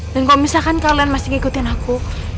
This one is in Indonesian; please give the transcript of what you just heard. dan kalau misalkan kalian masih ngikutin aku